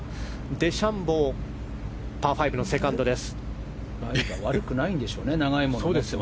デシャンボーパー５のセカンドです。